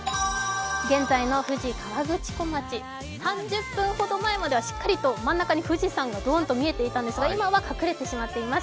現在の富士河口湖町、３０分程前まではしっかりと真ん中に富士山がどーんと見えていたんですが今は隠れてしまっています。